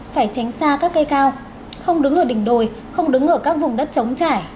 phải tránh xa các cây cao không đứng ở đỉnh đồi không đứng ở các vùng đất trống trải